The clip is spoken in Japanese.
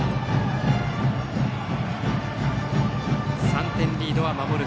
３点リードは、守る